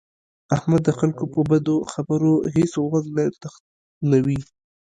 احمد د خلکو په بدو خبرو هېڅ غوږ نه تخنوي.